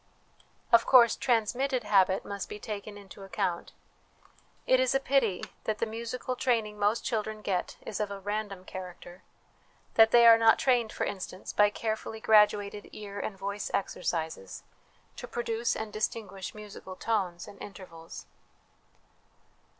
Of course, transmitted habit must be taken into account. It is a pity that the musical training most children get is of a random character; that they are not trained, for instance, by carefully graduated ear and 134 HOME EDUCATION voice exercises, to produce and distinguish musical tones and intervals.